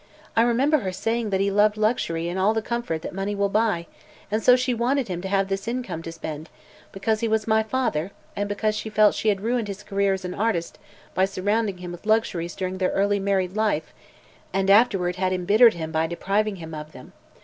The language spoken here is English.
I remember her saying that he loved luxury and all the comfort that money will buy, and so she wanted him to have this income to spend, because he was my father and because she felt she had ruined his career as an artist by surrounding him with luxuries during their early married life, and afterward had embittered him by depriving him of them.